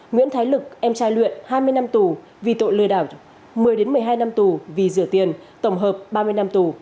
nguyễn thái lực em trai luyện hai mươi năm tù vì tội lừa đảo một mươi một mươi hai năm tù vì rửa tiền tổng hợp ba mươi năm tù